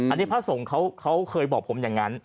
อันนี้พระสงฆ์เขาเคยบอกผมอย่างนั้น